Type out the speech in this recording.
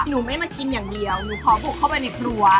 หนูไม่มากินอย่างเดียวหนูขอบุกเข้าไปในครัว